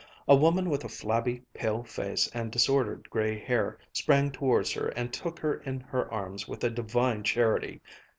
A woman with a flabby pale face and disordered gray hair sprang towards her and took her in her arms with a divine charity.